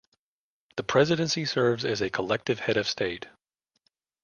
The Presidency serves as a collective head of state.